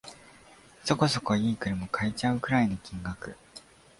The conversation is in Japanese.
そこそこ良い車買えちゃうくらいの金額